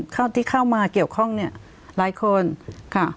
เข้าที่เข้ามาเกี่ยวข้องเนี่ยหลายคนค่ะ